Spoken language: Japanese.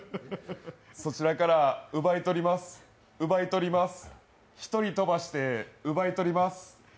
そちらから奪い取ります、奪い取ります、１人飛ばして、奪い取ります。